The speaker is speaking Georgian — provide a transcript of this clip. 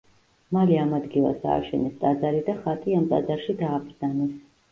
მალე ამ ადგილას ააშენეს ტაძარი და ხატი ამ ტაძარში დააბრძანეს.